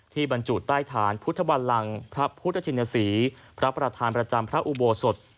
บรรจุใต้ฐานพุทธบันลังพระพุทธชินศรีพระประธานประจำพระอุโบสถ